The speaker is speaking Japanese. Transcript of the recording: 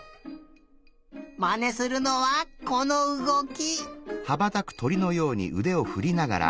まねするのはこのうごき。